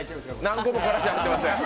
何個も、からしは入ってません。